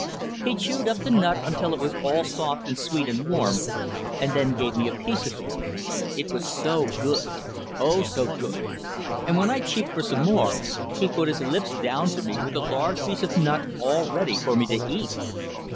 He chewed up the nut until it was all soft and sweet and warm, and then gave me a piece of it. It was so good! oh, so good! and when I cheeped for some more, he put his lips down to me with a large piece of nut all ready for me to eat.